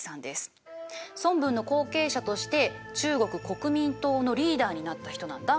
孫文の後継者として中国国民党のリーダーになった人なんだ。